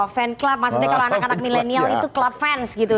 fan club maksudnya kalau anak anak milenial itu club fans gitu